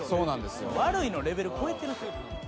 悪いのレベル超えてる。